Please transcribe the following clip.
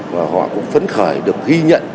và họ cũng phấn khởi được ghi nhận